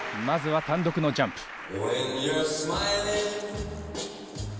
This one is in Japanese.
まずは単独のジャンプ。